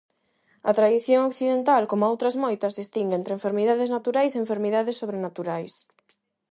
A tradición occidental, coma outras moitas, distingue entre enfermidades naturais e enfermidades sobrenaturais.